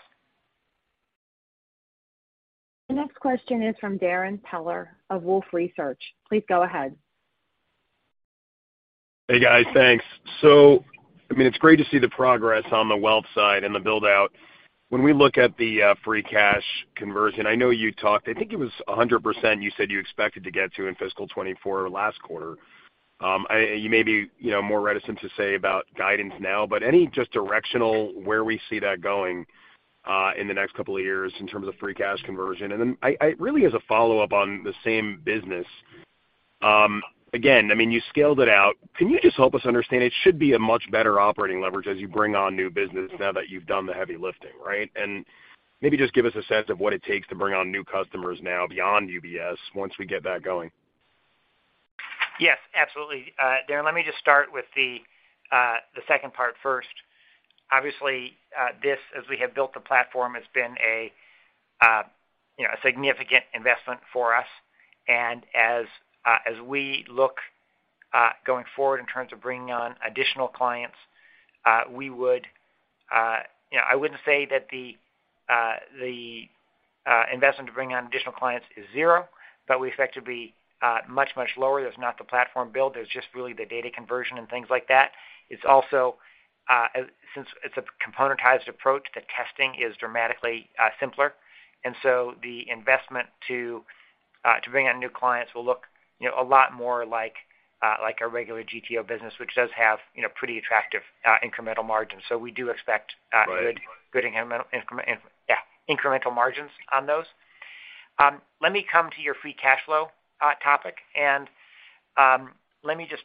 The next question is from Darrin Peller of Wolfe Research. Please go ahead. Hey, guys. Thanks. I mean, it's great to see the progress on the wealth side and the build-out. When we look at the free cash conversion, I know you talked, I think it was 100% you said you expected to get to in FY 2024 last quarter. You may be, you know, more reticent to say about guidance now, but any just directional where we see that going in the next couple of years in terms of free cash conversion. Then I really as a follow-up on the same business, again, I mean, you scaled it out. Can you just help us understand? It should be a much better operating leverage as you bring on new business now that you've done the heavy lifting, right? Maybe just give us a sense of what it takes to bring on new customers now beyond UBS once we get that going. Yes, absolutely. Darrin, let me just start with the second part first. Obviously, this, as we have built the platform, has been a, you know, a significant investment for us. As we look going forward in terms of bringing on additional clients, we would, you know, I wouldn't say that the investment to bring on additional clients is 0, but we expect it to be much, much lower. There's not the platform build, there's just really the data conversion and things like that. It's also, since it's a componentized approach, the testing is dramatically simpler. The investment to bring on new clients will look, you know, a lot more like our regular GTO business, which does have, you know, pretty attractive incremental margins. We do expect. Right. Good incremental margins on those. Let me come to your free cash flow topic, and let me just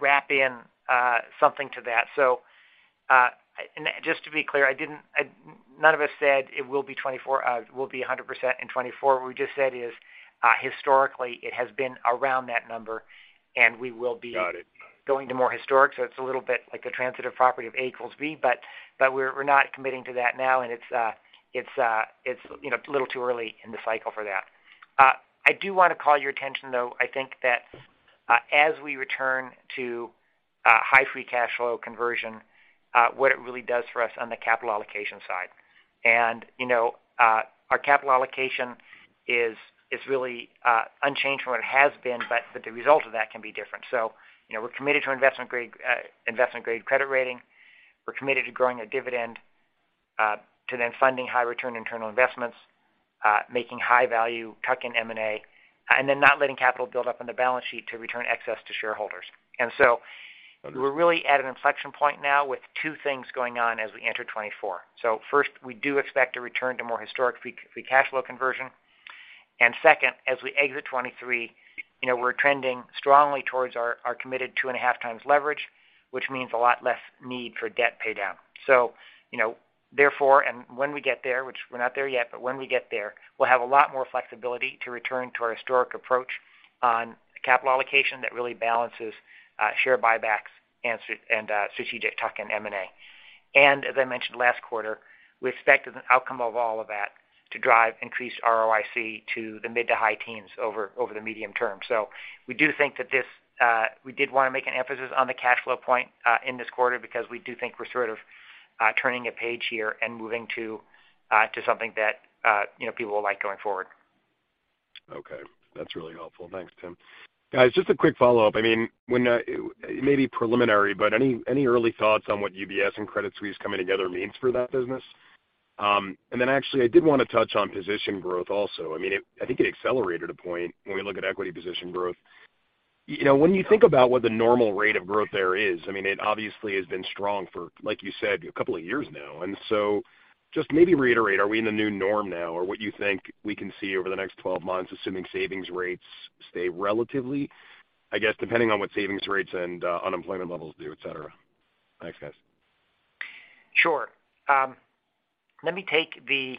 wrap in something to that. Just to be clear, none of us said will be 100% in 24. What we just said is historically it has been around that number. Got it. Going to more historic. It's a little bit like a transitive property of A equals B. We're not committing to that now, and it's, you know, a little too early in the cycle for that. I do wanna call your attention though, I think that, as we return to high free cash flow conversion, what it really does for us on the capital allocation side. You know, our capital allocation is really unchanged from what it has been, but the result of that can be different. You know, we're committed to an investment grade investment grade credit rating. We're committed to growing a dividend, to then funding high return internal investments, making high value tuck-in M&A, and then not letting capital build up on the balance sheet to return excess to shareholders. We're really at an inflection point now with two things going on as we enter 2024. First, we do expect to return to more historic free cash flow conversion. Second, as we exit 2023, you know, we're trending strongly towards our committed 2.5x leverage, which means a lot less need for debt pay down. You know, therefore and when we get there, which we're not there yet, but when we get there, we'll have a lot more flexibility to return to our historic approach on capital allocation that really balances, share buybacks and strategic tuck-in M&A. As I mentioned last quarter, we expect as an outcome of all of that to drive increased ROIC to the mid to high teens over the medium term. We do think that this, we did wanna make an emphasis on the cash flow point in this quarter because we do think we're sort of, turning a page here and moving to something that, you know, people will like g oing forward. Okay. That's really helpful. Thanks, Tim. Guys, just a quick follow-up. I mean, when it may be preliminary, but any early thoughts on what UBS and Credit Suisse coming together means for that business? Actually I did wanna touch on position growth also. I mean, I think it accelerated a point when we look at equity position growth. You know, when you think about what the normal rate of growth there is, I mean, it obviously has been strong for, like you said, a couple of years now. Just maybe reiterate, are we in the new norm now, or what you think we can see over the next 12 months, assuming savings rates stay relatively, I guess, depending on what savings rates and unemployment levels do, et cetera. Thanks, guys. Sure. Let me take the,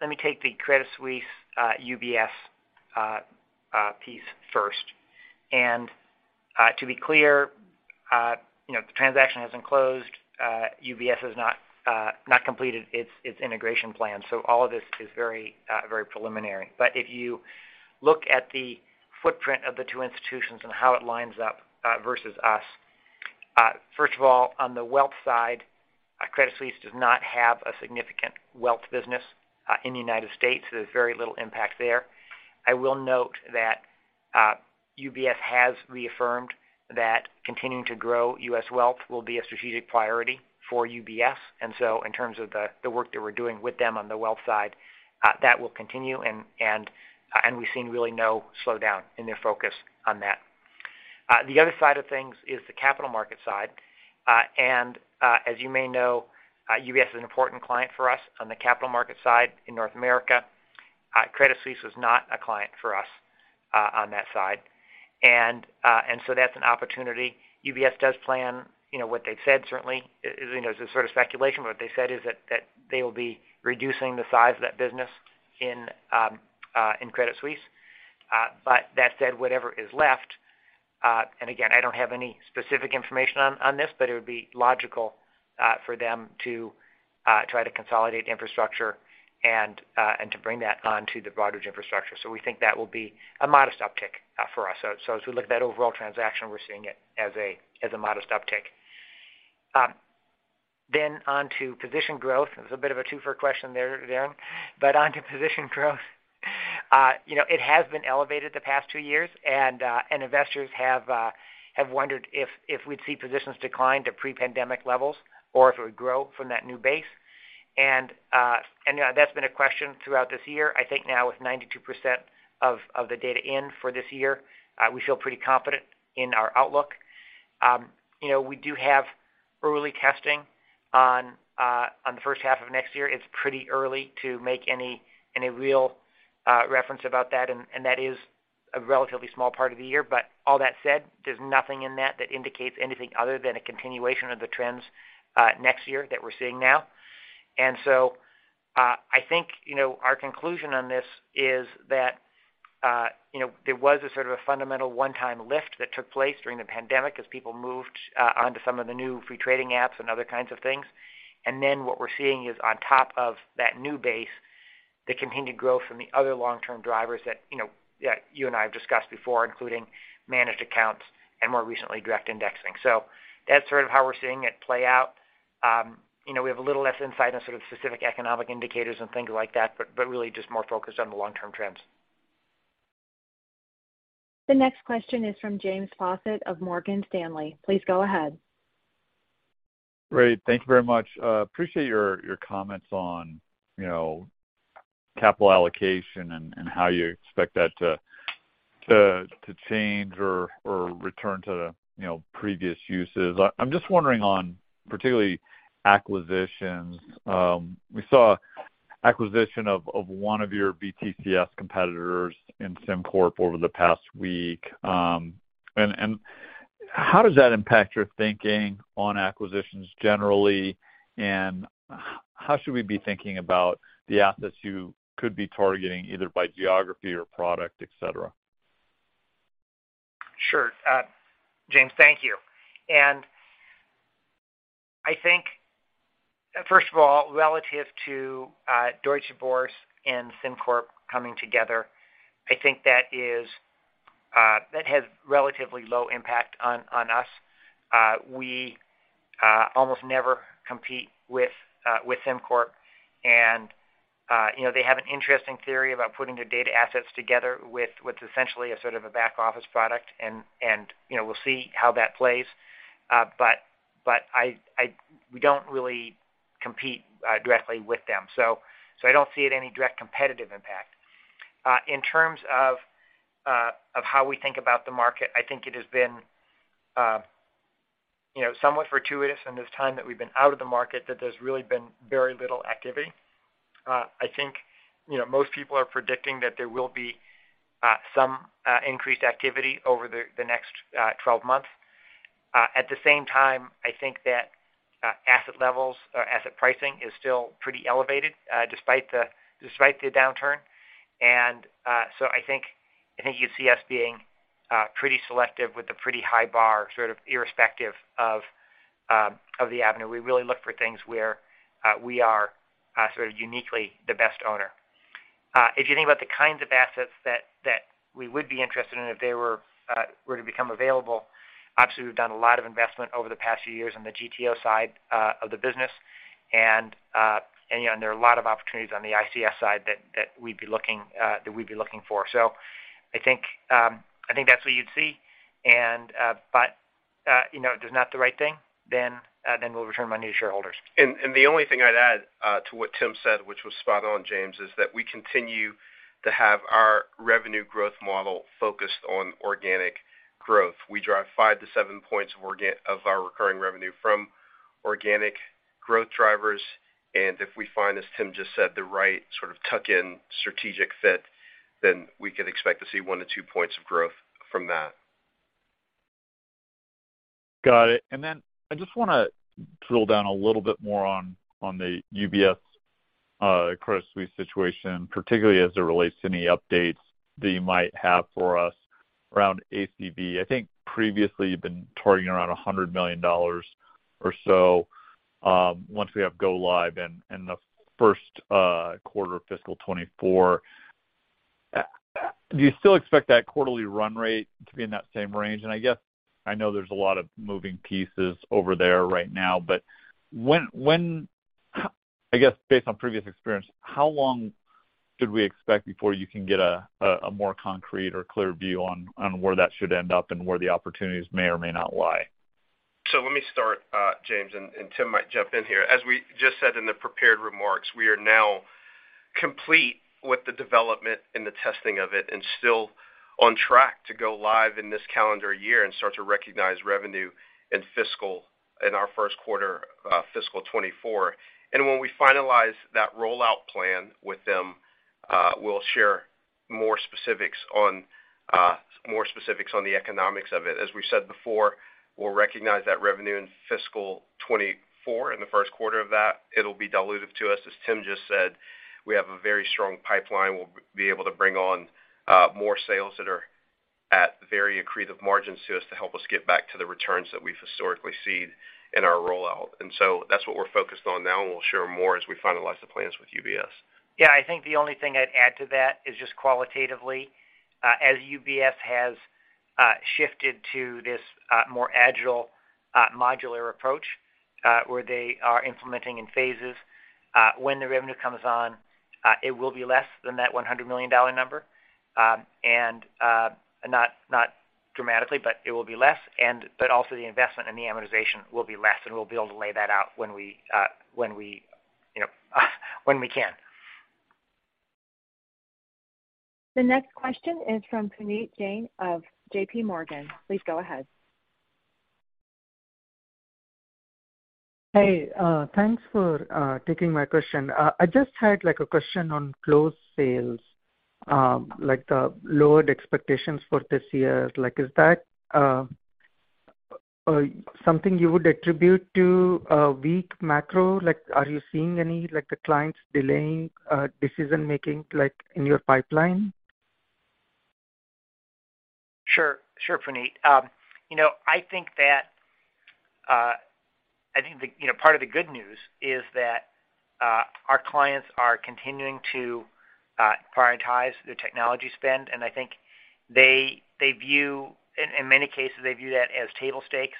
let me take the Credit Suisse, UBS, piece first. To be clear, you know, the transaction hasn't closed. UBS has not completed its integration plan. All of this is very preliminary. If you look at the footprint of the two institutions and how it lines up versus us, first of all, on the wealth side, Credit Suisse does not have a significant wealth business in the United States. There's very little impact there. I will note that UBS has reaffirmed that continuing to grow U.S. wealth will be a strategic priority for UBS. In terms of the work that we're doing with them on the wealth side, that will continue and we've seen really no slowdown in their focus on that. The other side of things is the capital market side. As you may know, UBS is an important client for us on the capital market side in North America. Credit Suisse was not a client for us on that side. That's an opportunity. UBS does plan, you know, what they've said certainly is, you know, is a sort of speculation, but what they said is that they will be reducing the size of that business in Credit Suisse. That said, whatever is left, and again, I don't have any specific information on this, but it would be logical for them to try to consolidate infrastructure and to bring that onto the Broadridge infrastructure. We think that will be a modest uptick for us. As we look at that overall transaction, we're seeing it as a modest uptick. On to position growth. It was a bit of a two-fer question there, Darren. Onto position growth. You know, it has been elevated the past two years, and investors have wondered if we'd see positions decline to pre-pandemic levels or if it would grow from that new base. And that's been a question throughout this year. I think now with 92% of the data in for this year, we feel pretty confident in our outlook. You know, we do have early testing on the first half of next year. It's pretty early to make any real reference about that, and that is a relatively small part of the year. All that said, there's nothing in that that indicates anything other than a continuation of the trends next year that we're seeing now. I think, you know, our conclusion on this is that, you know, there was a sort of a fundamental one-time lift that took place during the pandemic as people moved onto some of the new free trading apps and other kinds of things. What we're seeing is on top of that new base, the continued growth from the other long-term drivers that, you know, that you and I have discussed before, including managed accounts and more recently, direct indexing. That's sort of how we're seeing it play out. You know, we have a little less insight on sort of specific economic indicators and things like that, but really just more focused on the long-term trends. The next question is from James Faucette of Morgan Stanley. Please go ahead. Great. Thank you very much. appreciate your comments on, you know, capital allocation and how you expect that to change or return to, you know, previous uses. I'm just wondering on particularly acquisitions. we saw acquisition of one of your BTCS competitors in SimCorp over the past week. and how does that impact your thinking on acquisitions generally, and how should we be thinking about the assets you could be targeting either by geography or product, et cetera? Sure. James, thank you. I think, first of all, relative to Deutsche Börse and SimCorp coming together, I think that is that has relatively low impact on us. We almost never compete with SimCorp. You know, they have an interesting theory about putting their data assets together with essentially a sort of a back office product and, you know, we'll see how that plays. But I, we don't really compete directly with them. I don't see it any direct competitive impact. In terms of how we think about the market, I think it has been You know, somewhat fortuitous in this time that we've been out of the market that there's really been very little activity. I think, you know, most people are predicting that there will be some increased activity over the next 12 months. At the same time, I think that asset levels or asset pricing is still pretty elevated despite the downturn. I think you'd see us being pretty selective with a pretty high bar, sort of irrespective of the avenue. We really look for things where we are sort of uniquely the best owner. If you think about the kinds of assets that we would be interested in if they were to become available, obviously, we've done a lot of investment over the past few years on the GTO side of the business. You know, there are a lot of opportunities on the ICS side that we'd be looking for. I think that's what you'd see. You know, if it is not the right thing, we'll return money to shareholders. The only thing I'd add to what Tim said, which was spot on, James, is that we continue to have our revenue growth model focused on organic growth. We drive 5-7 points of our recurring revenue from organic growth drivers, and if we find, as Tim just said, the right sort of tuck-in strategic fit, then we could expect to see 1-2 points of growth from that. Got it. I just wanna drill down a little bit more on the UBS, Credit Suisse situation, particularly as it relates to any updates that you might have for us around ACV. I think previously you've been targeting around $100 million or so, once we have go-live in the first quarter of FY 2024. Do you still expect that quarterly run rate to be in that same range? I guess I know there's a lot of moving pieces over there right now, but when I guess based on previous experience, how long should we expect before you can get a more concrete or clear view on where that should end up and where the opportunities may or may not lie? Let me start, James, and Tim might jump in here. As we just said in the prepared remarks, we are now complete with the development and the testing of it and still on track to go live in this calendar year and start to recognize revenue in our first quarter, fiscal 2024. When we finalize that rollout plan with them, we'll share more specifics on the economics of it. We said before, we'll recognize that revenue in fiscal 2024, in the first quarter of that. It'll be dilutive to us. Tim just said, we have a very strong pipeline. We'll be able to bring on more sales that are at very accretive margins to us to help us get back to the returns that we've historically seen in our rollout. That's what we're focused on now, and we'll share more as we finalize the plans with UBS. Yeah, I think the only thing I'd add to that is just qualitatively, as UBS has shifted to this more agile, modular approach, where they are implementing in phases, when the revenue comes on, it will be less than that $100 million number. Not dramatically, but it will be less. Also the investment and the amortization will be less, and we'll be able to lay that out when we, when we, you know, when we can. The next question is from Puneet Jain of JPMorgan. Please go ahead. Hey, thanks for taking my question. I just had like a question on closed sales, like the lowered expectations for this year. Like, is that something you would attribute to a weak macro? Like, are you seeing any, like, the clients delaying decision-making, like, in your pipeline? Sure. Sure, Puneet. you know, I think that, I think the, you know, part of the good news is that our clients are continuing to prioritize their technology spend, and I think they view, in many cases, they view that as table stakes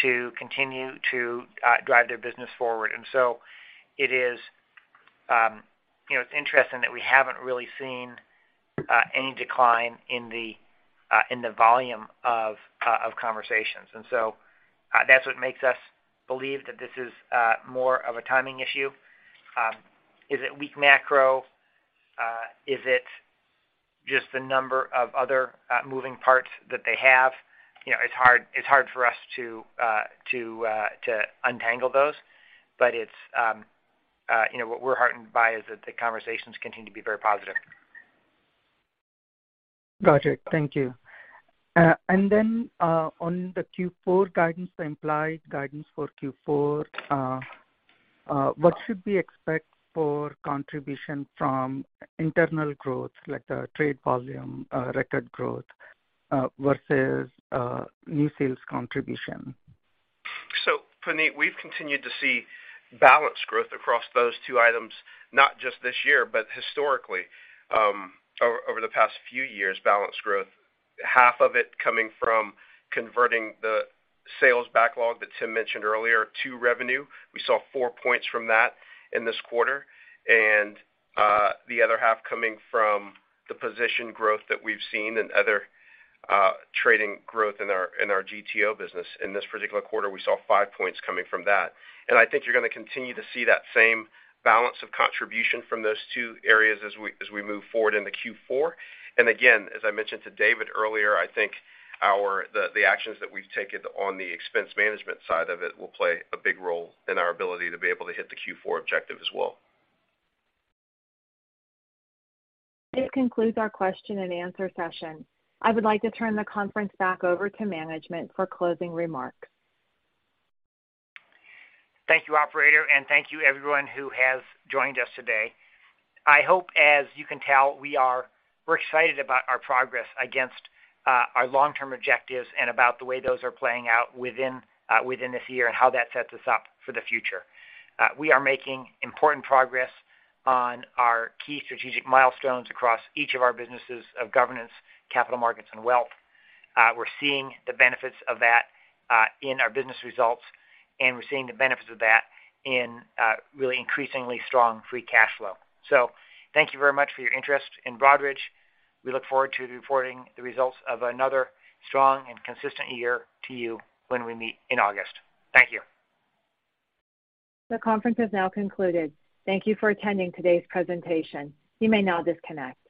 to continue to drive their business forward. It is, you know, it's interesting that we haven't really seen any decline in the in the volume of of conversations. That's what makes us believe that this is more of a timing issue. Is it weak macro? Is it just the number of other moving parts that they have? You know, it's hard for us to untangle those. It's, you know, what we're heartened by is that the conversations continue to be very positive. Got you. Thank you. On the Q4 guidance, the implied guidance for Q4, what should we expect for contribution from internal growth, like the trade volume, record growth, versus new sales contribution? Puneet, we've continued to see balanced growth across those two items, not just this year, but historically, over the past few years, balanced growth. Half of it coming from converting the sales backlog that Tim mentioned earlier to revenue. We saw four points from that in this quarter. The other half coming from the position growth that we've seen and other trading growth in our GTO business. In this particular quarter, we saw five points coming from that. I think you're gonna continue to see that same balance of contribution from those two areas as we move forward into Q4. Again, as I mentioned to David earlier, I think the actions that we've taken on the expense management side of it will play a big role in our ability to be able to hit the Q4 objective as well. This concludes our question and answer session. I would like to turn the conference back over to management for closing remarks. Thank you, operator. Thank you everyone who has joined us today. I hope, as you can tell, we're excited about our progress against our long-term objectives and about the way those are playing out within this year and how that sets us up for the future. We are making important progress on our key strategic milestones across each of our businesses of governance, capital markets, and wealth. We're seeing the benefits of that in our business results, and we're seeing the benefits of that in really increasingly strong free cash flow. Thank you very much for your interest in Broadridge. We look forward to reporting the results of another strong and consistent year to you when we meet in August. Thank you. The conference has now concluded. Thank you for attending today's presentation. You may now disconnect.